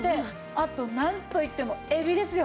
あとなんといってもエビですよ。